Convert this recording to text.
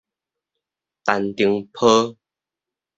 陳澄波